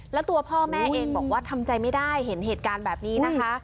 แล้วตัวพ่อแม่เองบอกว่าทำใจไม่ได้เห็นเหตุการณ์แบบนี้นะคะ